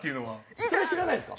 それ知らないっすか？